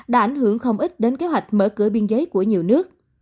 đã ảnh hưởng không ít đến kế hoạch mở cửa biên giới của nhiều nước